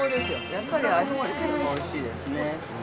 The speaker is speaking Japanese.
やっぱり味つけもおいしいですね。